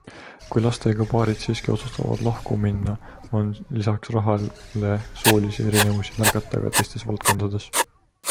Kui lastega paarid siiski otsustavad lahku minna, on lisaks rahale soolisi erinevusi märgata ka teistes valdkondades.